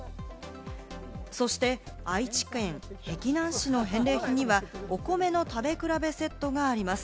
そして、愛知県碧南市の返礼品にはお米の食べ比べセットがあります。